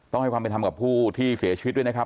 ต้องให้ความเป็นธรรมกับผู้ที่เสียชีวิตด้วยนะครับ